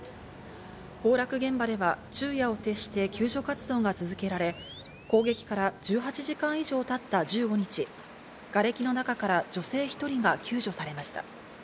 崩落現場では昼夜を徹して救助活動が続けられ、攻撃から１８時間以上たった１５日、がれきの中から女性１人が救助されました。